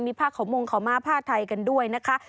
มีผ้าเขามงค์เขามาผ้าไทยกันด้วยนะคะ